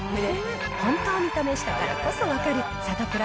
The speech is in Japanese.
本当に試したからこそ分かる『サタプラ』